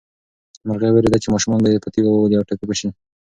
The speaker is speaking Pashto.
مرغۍ وېرېده چې ماشومان به یې په تیږو وولي او ټپي به شي.